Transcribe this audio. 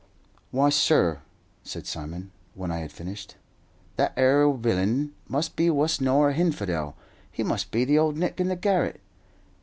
"Why, sur," said Simon, when I had finished, "that 'ere willain must be wuss nor a hinfidel; he must be the Old Nick in the garret.